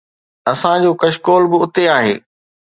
اسان جو ڪشڪول به اتي آهي.